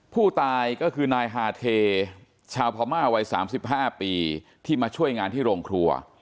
ผู้ตายก็คือนายฮาเทชาวพม่าวัย๓๕ปีที่มาช่วยงานที่โรงครัว